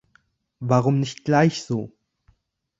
Warum nicht gleich so?